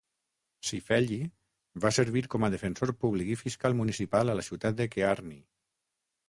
Cifelli va servir com a defensor públic i fiscal municipal a la ciutat de Kearny.